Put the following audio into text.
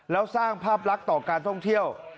แล้วสร้างภาพลักษณ์ต่อการท่องเที่ยว